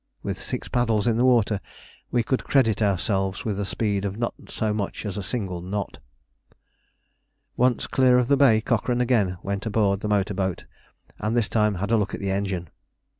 With six paddles in the water, we could credit ourselves with a speed of not so much as a single knot. Once clear of the bay, Cochrane again went aboard the motor boat and this time had a look at the engine.